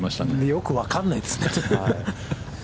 よく分からないですね。